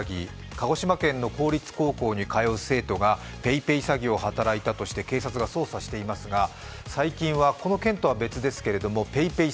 鹿児島県の公立高校に通う生徒がＰａｙＰａｙ詐欺を働いたとして警察が捜査していますが最近はこの件とは別ですがＰａｙＰａｙ